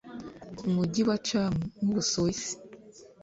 mujyi wa Cham mu Busuwisi